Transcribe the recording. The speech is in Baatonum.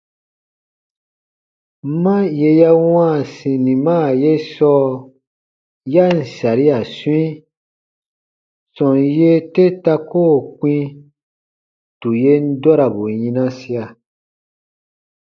Ma yè ya wãa sinima ye sɔɔ ya ǹ saria swĩi, sɔm yee te ta koo kpĩ tù yen dɔrabu yinasia.